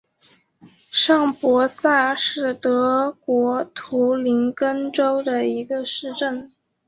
上伯萨是德国图林根州的一个市镇。